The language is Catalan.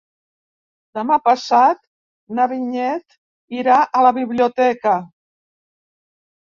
Demà passat na Vinyet irà a la biblioteca.